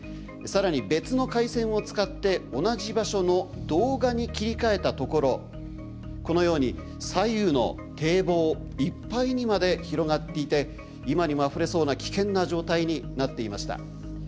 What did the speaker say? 更に別の回線を使って同じ場所の動画に切り替えたところこのように左右の堤防いっぱいにまで広がっていて今にもあふれそうな危険な状態になっていました。